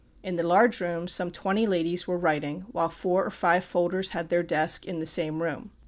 In the large room some twenty ladies were writing, while four or five folders had their desk in the same room.